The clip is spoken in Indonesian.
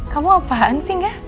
kamu apaan sih gak